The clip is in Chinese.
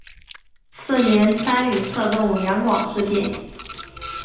次年参与策动两广事变。